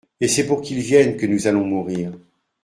Et c'est pour qu'il vienne que nous allons mourir.